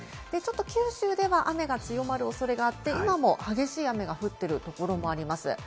九州では雨が強まるおそれがあって、今も激しい雨が降っているところもあります。